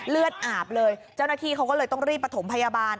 เลือดอาบเลยเจ้านักภิษฐ์เขาก็เลยต้องรีบปฐมพยาบาล